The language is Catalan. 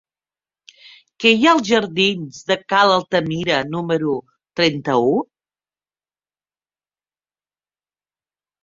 Què hi ha als jardins de Ca n'Altimira número trenta-u?